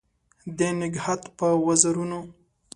د نګهت په وزرونو